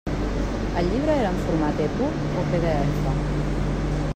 El llibre era en format EPUB o PDF?